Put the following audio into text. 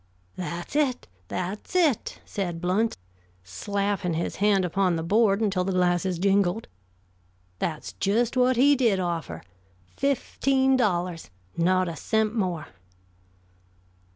"That's it, that's it!" said Blount, slapping his hand upon the board until the glasses jingled. "That's just what he did offer; fifteen dollars! Not a cent more."